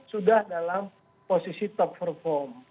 sudah dalam posisi top perform